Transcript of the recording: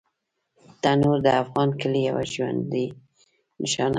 تنور د افغان کلي یوه ژوندي نښانه ده